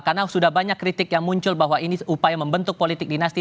karena sudah banyak kritik yang muncul bahwa ini upaya membentuk politik dinasti